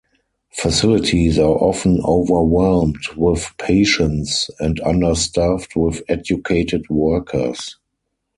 Facilities are often overwhelmed with patients and understaffed with educated workers.